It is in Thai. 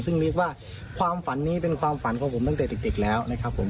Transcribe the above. ซึ่งเรียกว่าความฝันนี้เป็นความฝันของผมตั้งแต่เด็กแล้วนะครับผม